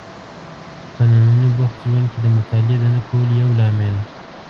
په ننني بوخت ژوند کې د مطالعې د نه کولو یو لامل